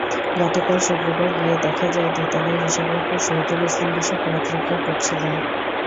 গতকাল শুক্রবার গিয়ে দেখা যায়, দোতলায় হিসাবরক্ষক শহীদুল ইসলাম বসে পত্রিকা পড়ছিলেন।